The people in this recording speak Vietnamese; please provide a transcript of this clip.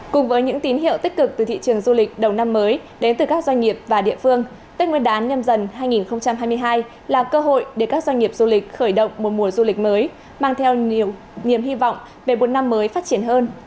cùng với những tín hiệu tích cực từ thị trường du lịch đầu năm mới đến từ các doanh nghiệp và địa phương tết nguyên đán nhâm dần hai nghìn hai mươi hai là cơ hội để các doanh nghiệp du lịch khởi động một mùa du lịch mới mang theo niềm hy vọng về một năm mới phát triển hơn